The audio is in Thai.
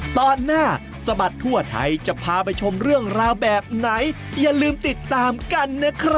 ตอนหน้าสบัตรทั่วไทยจะพาไปชมเรื่องราวแบบไหน